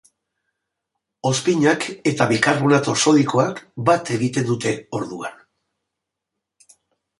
Ozpinak eta bikarbonato sodikoak bat egiten dute, orduan.